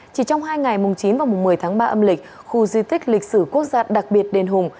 chỉ trong hai ngày mùng chín và mùng một mươi tháng ba âm lịch khu di tích lịch sử quốc gia đặc biệt đền hùng